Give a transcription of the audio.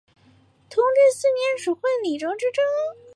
同治四年署会理州知州。